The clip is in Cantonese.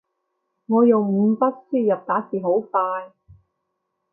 我用五筆輸入打字好快